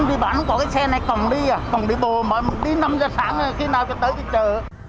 đi bán không có cái xe này còn đi à còn đi bù mà đi năm giờ sáng là khi nào phải tới thì chờ